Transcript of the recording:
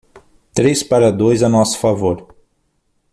Três para dois a nosso favor.